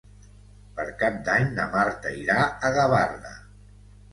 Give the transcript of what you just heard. Per Cap d'Any na Marta irà a Gavarda.